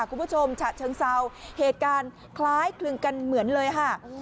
ฉะเชิงเซาเหตุการณ์คล้ายคลึงกันเหมือนเลยค่ะ